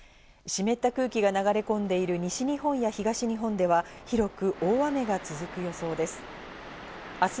湿った空気が流れ込んでいる西日本や東日本では広く大雨が続く予想です。